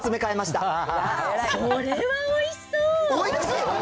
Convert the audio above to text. それはおいしそう。